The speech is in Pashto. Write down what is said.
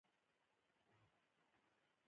وروسته یې په اماني دوره کې خپلواکي اخیستنه.